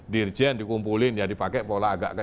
dirjen dikumpulin ya dipakai pola agak ke